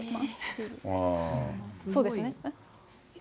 そうですよね。